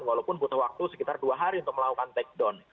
walaupun butuh waktu sekitar dua hari untuk melakukan takedown